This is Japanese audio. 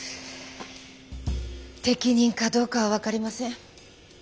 適任かどうかは分かりません。